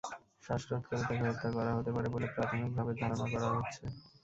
শ্বাসরোধ করে তাঁকে হত্যা করা হতে পারে বলে প্রাথমিকভাবে ধারণা করা হচ্ছে।